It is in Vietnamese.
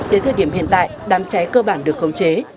đến thời điểm hiện tại đám cháy cơ bản được khống chế